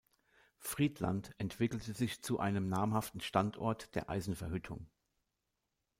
Friedland entwickelte sich zu einem namhaften Standort der Eisenverhüttung.